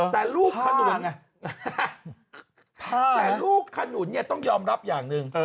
แต่ลูกขนุนเนี่ยต้องยอมรับอย่างนึง